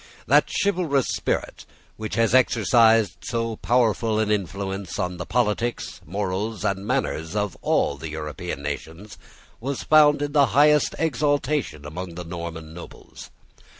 That chivalrous spirit, which has exercised so powerful an influence on the politics, morals, and manners of all the European nations, was found in the highest exaltation among the Norman nobles.